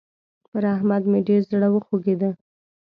پر احمد مې ډېر زړه وخوږېد.